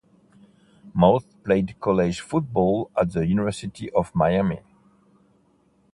Moss played college football at the University of Miami.